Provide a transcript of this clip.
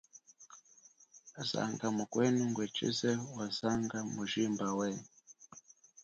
Zanga mukwenu ngwe tshize wa zanga mujimba weye.